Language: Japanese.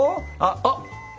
あっ！